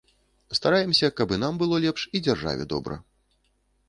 Стараемся, каб і нам было лепш, і дзяржаве добра.